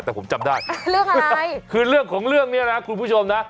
แต่ผมจำได้เรื่องอะไรคือเรื่องของเรื่องเนี่ยนะคุณผู้ชมนะ